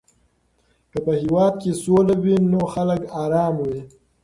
که په هېواد کې سوله وي نو خلک آرامه وي.